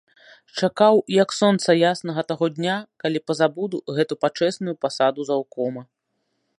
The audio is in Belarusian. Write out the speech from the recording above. Чакаў, як сонца яснага, таго дня, калі пазбуду гэту пачэсную пасаду заўкома.